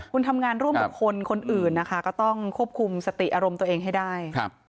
คุณทำงานร่วมกับคนคนอื่นนะคะก็ต้องควบคุมสติอารมณ์ตัวเองให้ได้